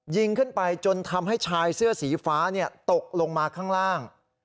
ยิงขึ้นไปจนทำให้ชายเสื้อสีฟ้าตกลงมาข้างล่าง